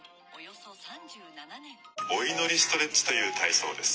お祈りストレッチという体操です。